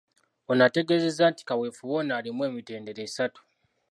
Ono ategeezezza nti kaweefube ono alimu emitendera esatu.